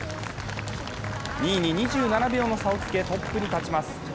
２位に２７秒の差をつけ、トップに立ちます。